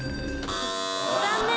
残念。